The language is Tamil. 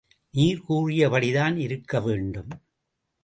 நீர் கூறிய படிதான் இருக்க வேண்டும்.